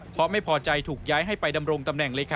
เพราะไม่พอใจถูกย้ายให้ไปดำรงตำแหน่งเลยค่ะ